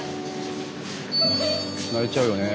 泣いちゃうよね。